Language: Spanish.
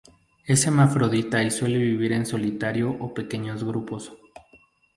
Es hermafrodita y suele vivir en solitario o pequeños grupos.